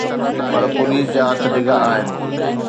پر police جا هٿ ڊگھا آهن.